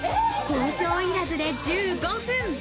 包丁いらずで１５分。